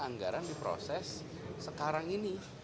anggaran diproses sekarang ini